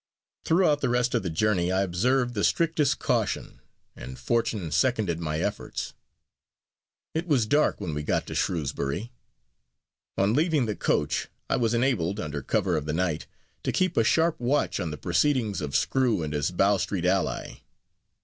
Throughout the rest of the journey I observed the strictest caution, and fortune seconded my efforts. It was dark when we got to Shrewsbury. On leaving the coach I was enabled, under cover of the night, to keep a sharp watch on the proceedings of Screw and his Bow Street ally.